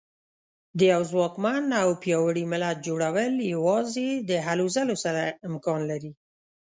د یوه ځواکمن او پیاوړي ملت جوړول یوازې د هلو ځلو سره امکان لري.